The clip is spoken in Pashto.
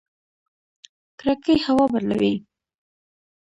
کړکۍ هوا بدلوي